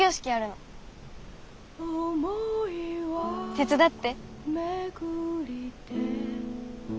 手伝って。